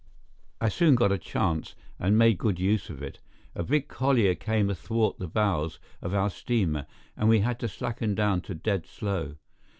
I soon got a chance, and made good use of it. A big collier came athwart the bows of our steamer, and we had to slacken down to dead slow.